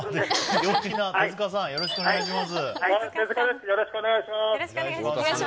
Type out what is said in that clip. よろしくお願いします。